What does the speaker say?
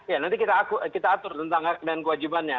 ya nanti kita atur tentang hak dan kewajibannya